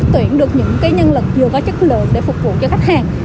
tuyển được những nhân lực vừa có chất lượng để phục vụ cho khách hàng